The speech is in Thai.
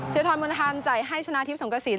เทียร์ท้อนบนทานใจให้ชนะทีมสงกระศิลป์